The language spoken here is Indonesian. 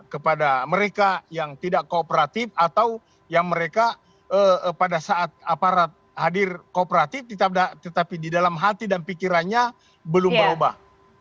kepada mereka yang tidak kooperatif atau yang mereka pada saat aparat hadir kooperatif tetapi di dalam hati dan pikirannya belum berubah